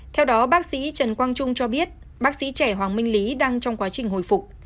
theo đó bác sĩ trần quang trung cho biết bác sĩ trẻ hoàng minh lý đang trong quá trình hồi phục